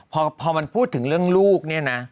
พอพูดถึงเรื่องลูก